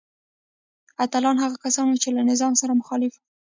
اتلان هغه کسان وو چې له نظام سره مخالف وو.